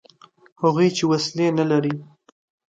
هغوی چې وسلې نه لري.